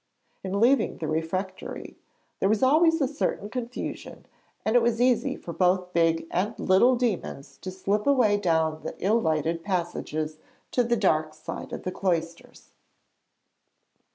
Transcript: In leaving the refectory there was always a certain confusion, and it was easy for both big and little demons to slip away down the ill lighted passages to the dark side of the cloisters.